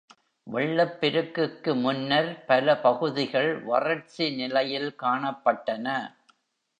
வெள்ளப்பெருக்குக்கு முன்னர் பல பகுதிகள் வறட்சி நிலையில் காணப்பட்டன.